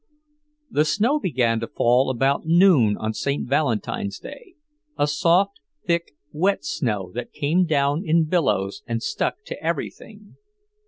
The snow began to fall about noon on St. Valentine's day, a soft, thick, wet snow that came down in billows and stuck to everything.